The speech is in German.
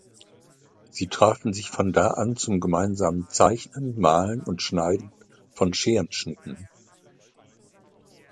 Sie trafen sich von da an zum gemeinsamen Zeichnen, Malen und Schneiden von Scherenschnitten.